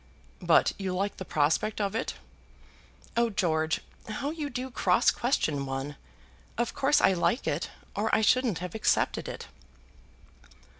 "But you like the prospect of it?" "Oh, George, how you do cross question one! Of course I like it, or I shouldn't have accepted it."